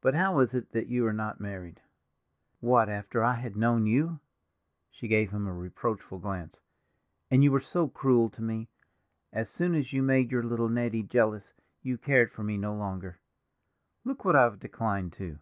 But how is it that you are not married?" "What, after I had known you?" She gave him a reproachful glance. "And you were so cruel to me—as soon as you had made your little Nettie jealous you cared for me no longer. Look what I've declined to!"